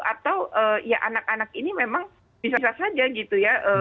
atau ya anak anak ini memang bisa saja gitu ya